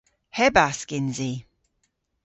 Hebask yns i.